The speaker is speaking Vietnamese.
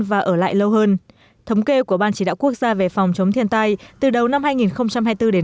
và ở lại lâu hơn thống kê của ban chỉ đạo quốc gia về phòng chống thiên tai từ đầu năm hai nghìn hai mươi bốn đến